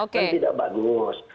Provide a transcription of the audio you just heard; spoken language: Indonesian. kan tidak bagus